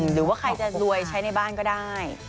หรือว่าใครจะรวยใช้ในบ้านก็ได้